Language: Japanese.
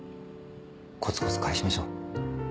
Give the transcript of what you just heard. こつこつ返しましょう。